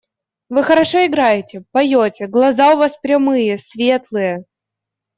– Вы хорошо играете, поете, глаза у вас прямые, светлые.